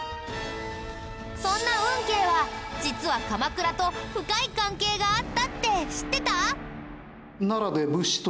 そんな運慶は実は鎌倉と深い関係があったって知ってた？